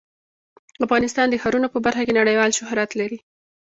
افغانستان د ښارونه په برخه کې نړیوال شهرت لري.